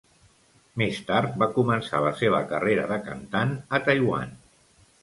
Més tard, va començar la seva carrera de cantant a Taiwan.